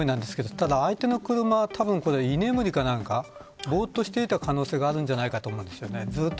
ただ、相手の車は居眠りかなんかぼーっとしていた可能性があると思います。